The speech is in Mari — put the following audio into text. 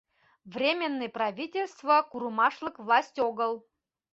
Временный правительство курымашлык власть огыл.